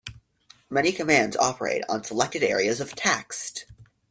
Many commands operate on selected areas of text.